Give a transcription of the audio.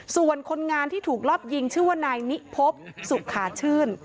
ส่วนคนงานที่ถูกรอบยิงชื่อว่านายนิพบสุขาชื่น